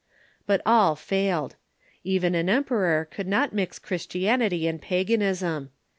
But all failed. Even an em peror could not mix Christianity and paganism.